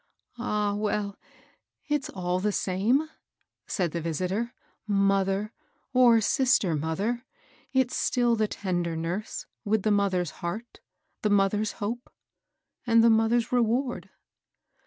^^ Ah, well ! it's all the same," said the visitor. ^^ Mother, or sbter mother, it's still the t^der nurse, with the mother's heart, the mother's hope, and — the mother's reward."